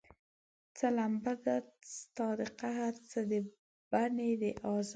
څه لمبه ده ستا د قهر، څه د بني د ازاره